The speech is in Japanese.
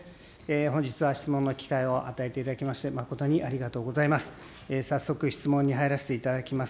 本日は質問の機会を与えていただきまして、誠にありがとうございます。